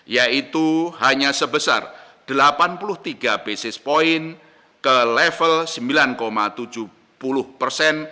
yaitu hanya sebesar delapan puluh tiga basis point ke level sembilan tujuh puluh persen